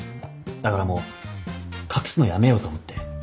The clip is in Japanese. だからもう隠すのやめようと思って。